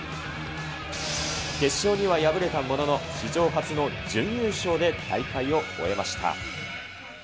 決勝には敗れたものの、史上初の準優勝で大会を終えました。